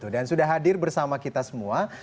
dan sudah hadir bersama kita semua